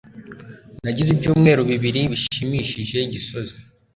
nagize ibyumweru bibiri bishimishije gisozi